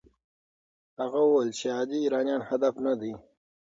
هغه وویل عادي ایرانیان هدف نه دي.